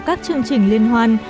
các chương trình liên hoan